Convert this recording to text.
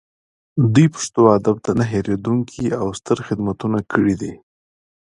دوی پښتو ادب ته نه هیریدونکي او ستر خدمتونه کړي دي